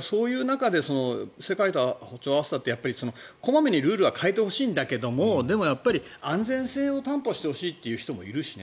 そういう中で世界と歩調を合わせたってやっぱり小まめにルールは変えてほしいんだけどもでも、安全性を担保してほしいっていう人もいるしね。